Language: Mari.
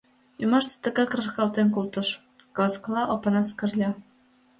— Ӱмаште тыгак рашкалтен колтыш, — каласкала Опанас Кырля.